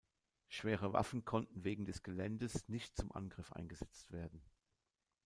Schwere Waffen konnten wegen des Geländes nicht zum Angriff eingesetzt werden.